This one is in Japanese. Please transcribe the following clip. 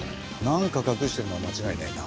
なんか隠してるのは間違いないな。